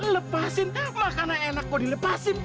lepasin makanan enak kok dilepasin